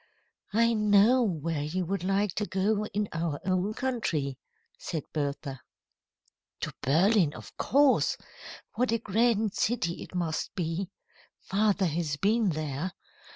"I know where you would like to go in our own country," said Bertha. "To Berlin, of course. What a grand city it must be! Father has been there.